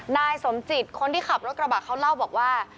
นายสมจิตคนที่ขับรถกระบะเขาเล่าบอกว่า